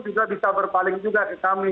juga bisa berpaling juga ke kami